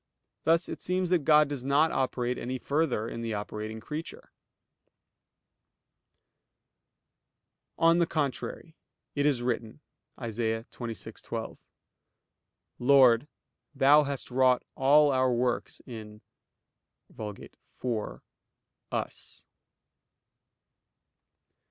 Thus it seems that God does not operate any further in the operating creature. On the contrary, It is written (Isa. 26:12): "Lord, Thou hast wrought all our works in [Vulg.: 'for'] us."